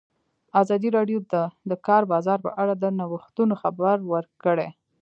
ازادي راډیو د د کار بازار په اړه د نوښتونو خبر ورکړی.